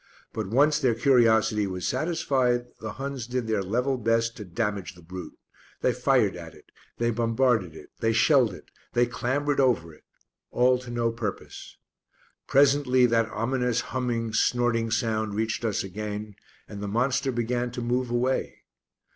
But once their curiosity was satisfied the Huns did their level best to damage the brute. They fired at it; they bombarded it; they shelled it; they clambered over it. All to no purpose. Presently that ominous humming, snorting sound reached us again, and the monster began to move away.